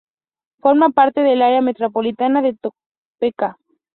Forma parte del área metropolitana de Topeka.